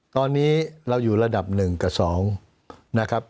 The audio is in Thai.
ตอนนี้เราอยู่ระดับ๑กับ๒นะครับ